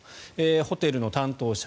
ホテルの担当者。